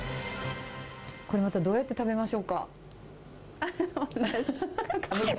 これまた、どうやって食べま同じく。